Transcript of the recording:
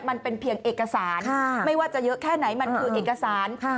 มันเป็นเพียงเอกสารไม่ว่าจะเยอะแค่ไหนมันคือเอกสาร